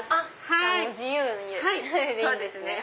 じゃあ自由でいいんですね。